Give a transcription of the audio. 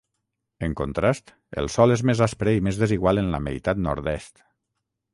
En contrast, el sòl és més aspre i més desigual en la meitat nord-est.